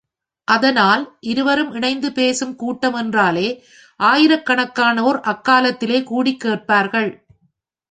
அதனால் இருவரும் இணைந்து பேசும் கூட்டம் என்றாலே ஆயிரக்கணக்கானோர் அக்காலத்திலே கூடிக் கேட்பார்கள்.